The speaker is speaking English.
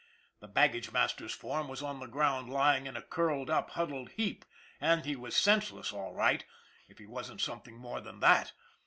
The baggage master's form was on the ground lying in a curled up, huddled heap, and he was senseless all right if he wasn't something more than that.